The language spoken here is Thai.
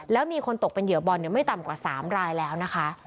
แล้วมีคนตกเป็นเหยื่อบอลไม่ต่ำกว่า๓รายแล้วนะคะ